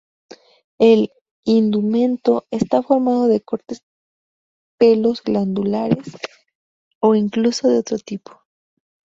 El indumento está formado de cortos pelos glandulares o incluso de otro tipo.